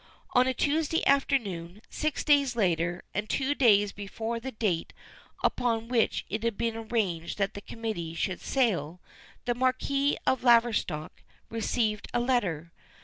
On a Tuesday afternoon, six days later, and two days before the date upon which it had been arranged that the committee should sail, the Marquis of Laverstock received a letter.